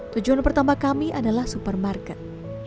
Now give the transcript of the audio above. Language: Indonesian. tujuan pertama kami adalah supermarket